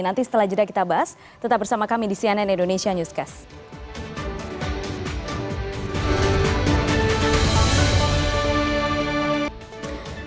nanti setelah jeda kita bahas tetap bersama kami di cnn indonesia newscast